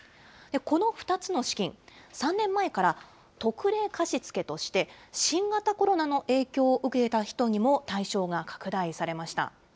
この２つの資金、３年前から特例貸付として新型コロナの影響を受けた人にも対象が拡大されました。